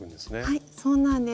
はいそうなんです。